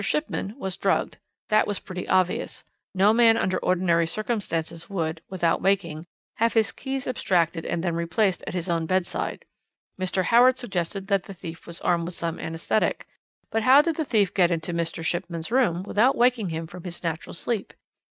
Shipman was drugged. That was pretty obvious; no man under ordinary circumstances would, without waking, have his keys abstracted and then replaced at his own bedside. Mr. Howard suggested that the thief was armed with some anaesthetic; but how did the thief get into Mr. Shipman's room without waking him from his natural sleep?